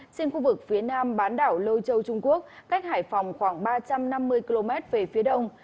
trên khu vực phía nam bán đảo lôi châu trung quốc cách hải phòng khoảng ba trăm năm mươi km về phía đông